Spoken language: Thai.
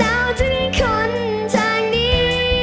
เราจะมีคนจากนี้